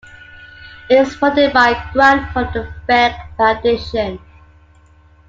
It is funded by a grant from the Beck Foundation.